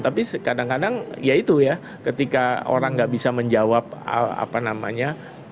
tapi kadang kadang ya itu ya ketika orang nggak bisa menjawab apa namanya